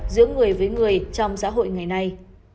giữa người với người trong xã hội ngày nay